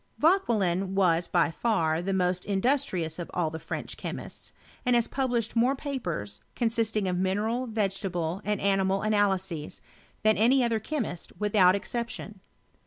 Vauquelin was by far the most industrious of all the French chemists, and has published more papers, consisting of mineral, vegetable, and animal analyses, than any other chemist without exception.